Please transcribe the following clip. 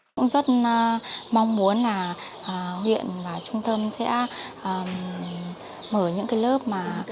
cũng rất mong muốn là huyện và trung tâm sẽ mở những cái lớp mà